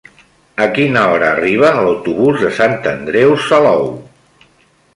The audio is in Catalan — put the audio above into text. A quina hora arriba l'autobús de Sant Andreu Salou?